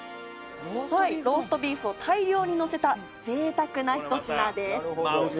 ローストビーフを大量にのせた贅沢なひと品です。